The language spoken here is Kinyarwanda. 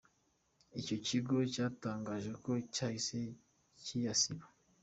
Icyo kigo cyatangaje ko cyahise kiyasiba.